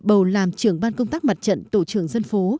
bầu làm trưởng ban công tác mặt trận tổ trưởng dân phố